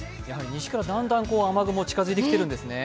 西からだんだんと雨雲が近づいてきているんですね。